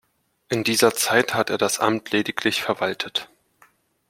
In dieser Zeit hat er das Amt lediglich verwaltet.